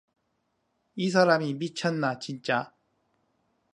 이 사람이 미쳤나, 진짜!